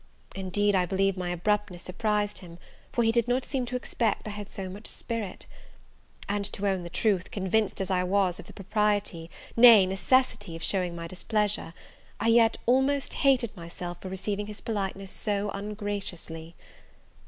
Indeed, I believe, my abruptness surprised him, for he did not seem to expect I had so much spirit. And, to own the truth, convinced as I was of the propriety, nay, necessity, of showing my displeasure, I yet almost hated myself for receiving his politeness so ungraciously.